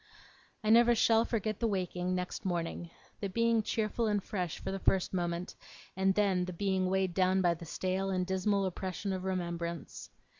I never shall forget the waking, next morning; the being cheerful and fresh for the first moment, and then the being weighed down by the stale and dismal oppression of remembrance.